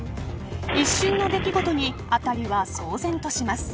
一瞬の出来事にあたりは騒然とします。